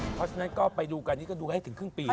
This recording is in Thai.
เพราะฉะนั้นก็ไปดูกันนี่ก็ดูให้ถึงครึ่งปี